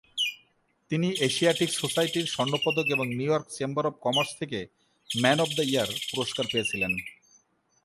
তিনি এশিয়াটিক সোসাইটির স্বর্ণপদক এবং নিউইয়র্ক চেম্বার অফ কমার্স থেকে 'ম্যান অফ দ্য ইয়ার' পুরস্কার পেয়েছিলেন।